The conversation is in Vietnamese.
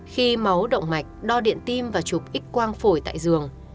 khi máu động mạch đo điện tim và chụp x quang phổi tại giường